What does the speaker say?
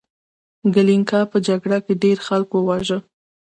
هغه د کلینګا په جګړه کې ډیر خلک وواژه.